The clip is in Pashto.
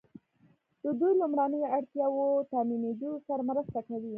د دوی لومړنیو اړتیاوو تامینیدو سره مرسته کوي.